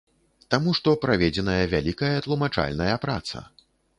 Таму што праведзеная вялікая тлумачальная праца.